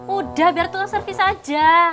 udah biar tuh servis aja